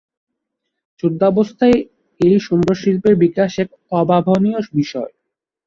যুদ্ধাবস্খায় এই সুন্দর শিল্পের বিকাশ এক অভাবনীয় বিষয়।